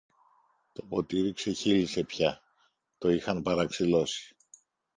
Το ποτήρι ξεχείλισε πια, το είχαν παραξηλώσει!